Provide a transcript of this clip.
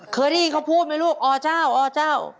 เคยได้ยินเค้าปู๊บไหมลูกอเจ้า